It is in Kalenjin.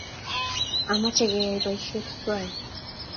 Amoche keyai poisyet twai